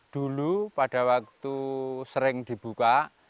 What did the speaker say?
dulu pada waktu sering dibuka